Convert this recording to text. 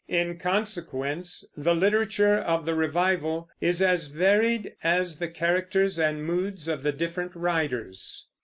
In consequence, the literature of the revival is as varied as the characters and moods of the different writers.